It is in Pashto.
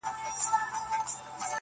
او که يې اخلې نو آدم اوحوا ولي دوه وه_